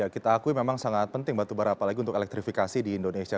kita akui memang sangat penting batubara apalagi untuk elektrifikasi di indonesia